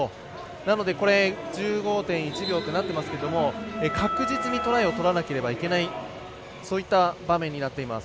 なので、１５．１秒となっていますけど確実にトライを取らなければいけないそういった場面になっています。